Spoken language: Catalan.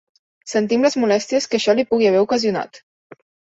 Sentim les molèsties que això li pugui haver ocasionat.